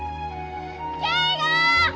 圭吾！